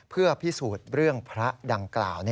เพื่อพิสูจน์เรื่องพระดังกล่าว